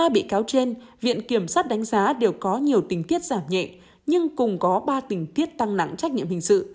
ba bị cáo trên viện kiểm sát đánh giá đều có nhiều tình tiết giảm nhẹ nhưng cùng có ba tình tiết tăng nặng trách nhiệm hình sự